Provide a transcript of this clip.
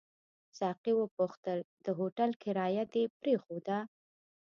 ساقي وپوښتل: د هوټل کرایه دې پرېښوده؟